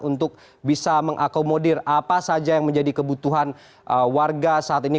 untuk bisa mengakomodir apa saja yang menjadi kebutuhan warga saat ini